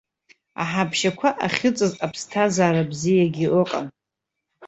Аҳаԥшьақәа ахьыҵаз аԥсҭазаара бзиагьы ыҟан.